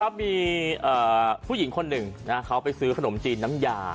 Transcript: มีผู้หญิงคนหนึ่งเขาไปซื้อขนมจีนน้ำยา